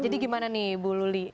jadi gimana nih bu luli